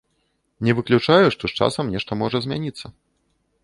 Не выключаю, што з часам нешта можа змяніцца.